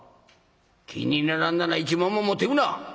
気に入らなんだら１文も持ってくな！